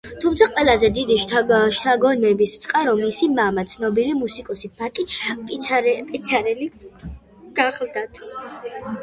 თუმცა ყველაზე დიდი შთაგონების წყარო მისი მამა, ცნობილი მუსიკოსი ბაკი პიცარელი გახლდათ.